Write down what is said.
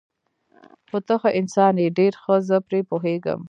خو ته ښه انسان یې، ډېر ښه، زه پرې پوهېږم.